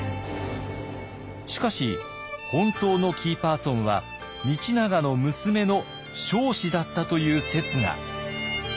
しかし本当のキーパーソンは道長の娘の彰子だったという説が。